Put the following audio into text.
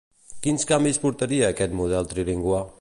Quins canvis portaria aquest model trilingüe?